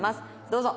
どうぞ。